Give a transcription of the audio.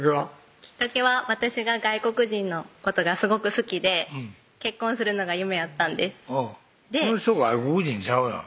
きっかけは私が外国人のことがすごく好きで結婚するのが夢やったんですこの人外国人ちゃうやん